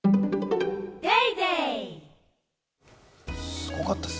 すごかったです。